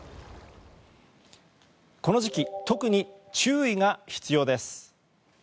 この時期特に注意が必要です。